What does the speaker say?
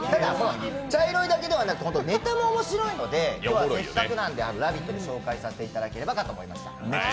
茶色いだけではなくてネタも面白いのでせっかくなんで「ラヴィット！」で紹介していただければと思いました。